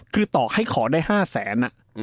คือต่อให้ขอได้๕แสน